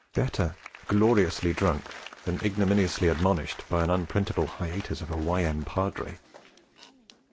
Better gloriously drunk than ignominiously admonished by an unprintable hiatus of a Y.M. Padre!